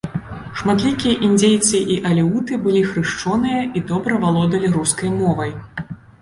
Шматлікія індзейцы і алеуты былі хрышчоныя і добра валодалі рускай мовай.